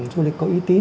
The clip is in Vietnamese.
du lịch có uy tín